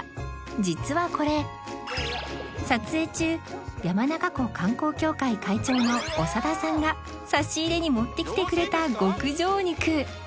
実はこれ撮影中山中湖観光協会会長の長田さんが差し入れに持ってきてくれた極上肉